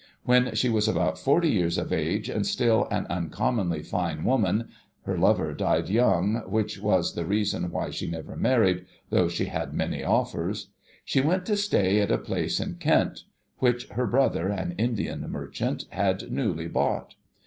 When she was about forty years of age, and still an uncommonly fine woman (her lover died young, which was the reason why she never married, though she had many olifers), she went to stay at a place in Kent, which her brother, an Indian Merchant, had newly bought.